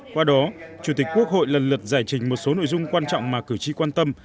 qua đó chủ tịch quốc hội lần lượt giải trình một số nội dung quan trọng mà cử tri quan tâm